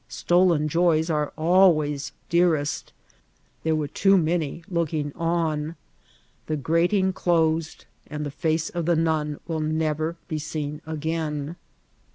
^^Stcden joys are always dearest;" there were too many looking on. The gra* ting dosed, and the fece oi the nun will never be seen again.